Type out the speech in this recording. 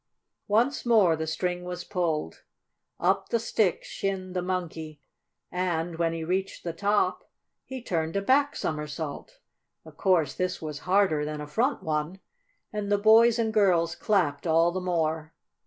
Once more the string was pulled. Up the stick shinned the Monkey, and, when he reached the top, he turned a back somersault. Of course this was harder than a front one, and the boys and girls clapped all the more.